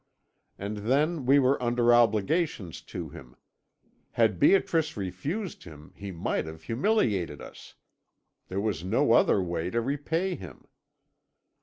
And then we were under obligations to him; had Beatrice refused him he might have humiliated us. There was no other way to repay him.'